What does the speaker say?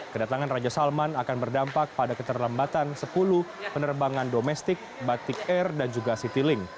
kedatangan raja salman akan berdampak pada keterlambatan sepuluh penerbangan domestik batik air dan juga citylink